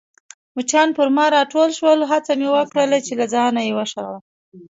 مچان پر ما راټول شول، هڅه مې وکړل چي له ځانه يې وشړم.